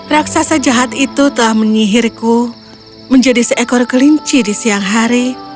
raksasa jahat itu telah menyihirku menjadi seekor kelinci di siang hari